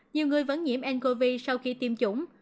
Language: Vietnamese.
nhiều người vẫn nhiễm ncov sau khi tiêm chủng